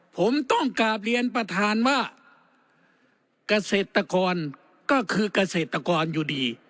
ผมต้องกลับเรียนประธานว่าเกษตรกรก็คือเกษตรกรอยู่ดี